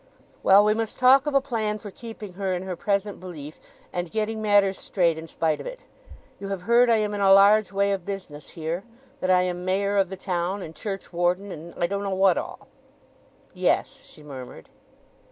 "Well—we must talk of a plan for keeping her in her present belief, and getting matters straight in spite of it. You have heard I am in a large way of business here—that I am Mayor of the town, and churchwarden, and I don't know what all?" "Yes," she murmured.